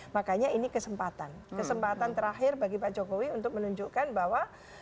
makanya ini kesempatan kesempatan terakhir bagi pak jokowi untuk menunjukkan bahwa